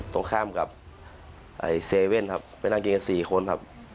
ตรงข้ามกับเซเว่นครับไปนั่งกินกัน๔คนครับ